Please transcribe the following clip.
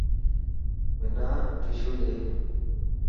منا ششو ڏي.